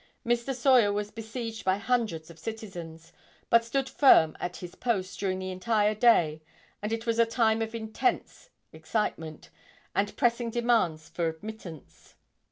Mr. Sawyer was besieged by hundreds of citizens, but stood firmly at his post during the entire day, and it was a time of intense excitement and pressing demands for admittance.